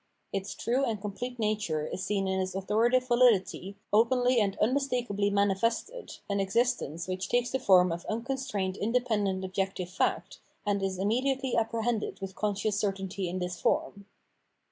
Its true and complete nature is seen in its authoritative vahdity openly and unmistakably manifested, an existence which takes the form of unconstrained independent objective fact, 442 Phenomenology of Mind and is immediately apprehended with conscious cer tainty in this form.